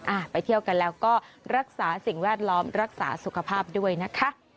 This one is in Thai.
ไปเที่ยวกันแล้วก็รักษาสิ่งแวดล้อมรักษาสุขภาพด้วยนะคะ